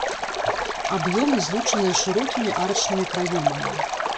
Аб'ёмы злучаныя шырокімі арачнымі праёмамі.